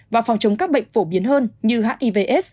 và phòng chống các bệnh phổ biến hơn như hãng ivs